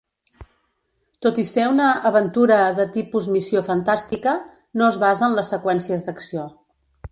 Tot i ser una "aventura de tipus missió fantàstica", no es basa en les seqüències d'acció.